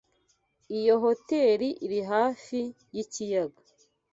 Iyo hoteri iri hafi yikiyaga.